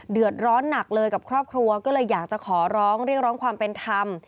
เดือดร้อนหนักเลยกับครอบครัวก็เลยอยากจะขอร้องเรียกร้องความเป็นธรรม